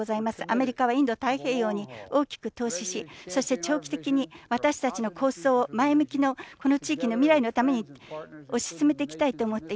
アメリカはインド太平洋に多く投資し、そして長期的に私たちの構想を、前向きなこの地域のために推し進めたいです。